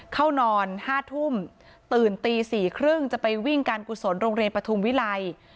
เข้านอน๕ทุ่มตื่นตี๔๓๐จะไปวิ่งการกุศลโรงเรียนปฐุมวิลัย